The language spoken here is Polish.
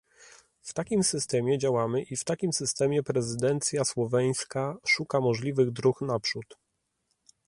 W takim systemie działamy i w takim systemie prezydencja słoweńska szuka możliwych dróg naprzód